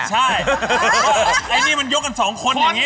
ใช่ไอ้นี่มันยกกันสองคนอย่างนี้